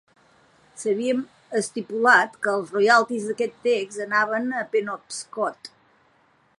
S'havia estipulat que els royalties d'aquest text anaven a Penobscot.